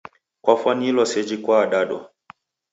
Kwafwanilwa seji kwaadadwa.